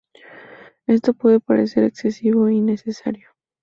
Esto puede parecer excesivo e innecesario.